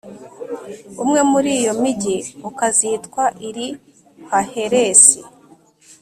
Umwe muri iyo migi ukazitwa Iri‐Haheresi,